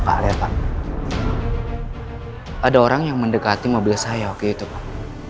pak lihat pak ada orang yang mendekati mobil saya oke itu pak